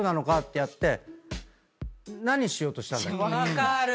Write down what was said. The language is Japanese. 分かる。